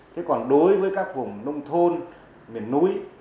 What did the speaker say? thế còn đối với các vùng nông thôn miền núi